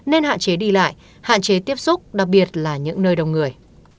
nên hạn chế đi lại hạn chế tiếp xúc đặc biệt là những nơi đông người